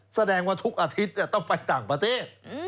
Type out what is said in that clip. แสดงว่าทุกอาทิตย์ต้องไปต่างประเทศ